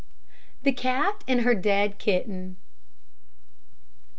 THE CAT AND HER DEAD KITTEN.